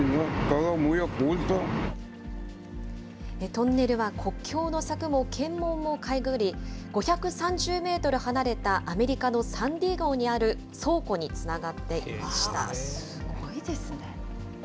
トンネルは国境の柵も検問もかいくぐり、５３０メートル離れたアメリカのサンディエゴにある倉庫につながすごいですね。